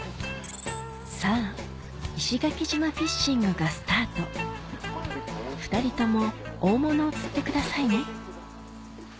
さぁ石垣島フィッシングがスタート２人とも大物を釣ってくださいね